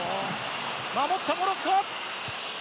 守ったモロッコ！